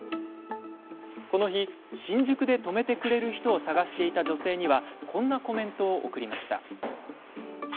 この日、新宿で泊めてくれる人を探していた女性にはこんなコメントを送りました。